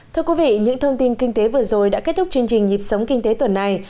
thưa quý vị những thông tin kinh tế vừa rồi đã kết thúc chương trình nhịp sống kinh tế tuần này